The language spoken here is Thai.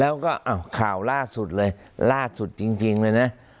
แล้วก็ข่าวล่าสุดเลยล่าสุดจริงเลยนะ